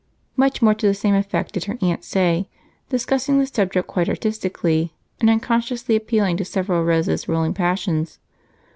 Much more to the same effect did her aunt say, discussing the subject quite artistically and unconsciously appealing to several of Rose's ruling passions.